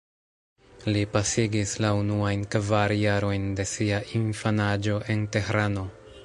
Li pasigis la unuajn kvar jarojn de sia infanaĝo en Tehrano.